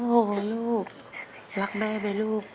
โอ้โหลูกรักแม่ไหมลูก